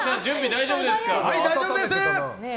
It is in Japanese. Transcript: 大丈夫です！